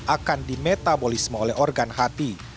akan dimetabolisme oleh organ hati